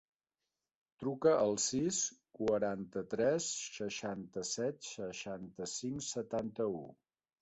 Truca al sis, quaranta-tres, seixanta-set, seixanta-cinc, setanta-u.